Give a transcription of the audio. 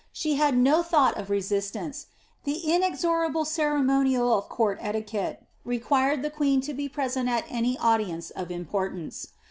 She had no thought of resistance; the inexorable ceremonial of court etiquette required the queen to be present at any audience of importance.